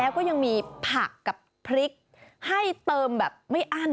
แล้วก็ยังมีผักกับพริกให้เติมแบบไม่อั้น